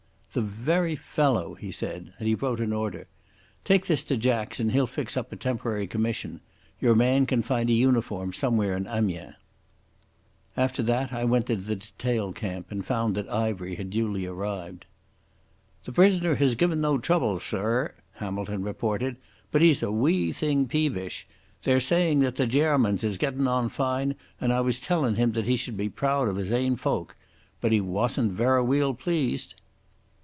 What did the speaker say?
"The very fellow," he said, and he wrote an order. "Take this to Jacks and he'll fix up a temporary commission. Your man can find a uniform somewhere in Amiens." After that I went to the detail camp and found that Ivery had duly arrived. "The prisoner has given no trouble, sirr," Hamilton reported. "But he's a wee thing peevish. They're saying that the Gairmans is gettin' on fine, and I was tellin' him that he should be proud of his ain folk. But he wasn't verra weel pleased."